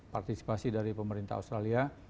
partisipasi dari pemerintah australia